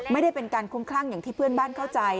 ไม่ได้เป็นการคุ้มคลั่งอย่างที่เพื่อนบ้านเข้าใจ